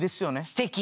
すてき！